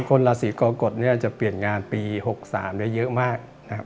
คนราศีกรกฎจะเปลี่ยนงานปี๖๓เยอะมาก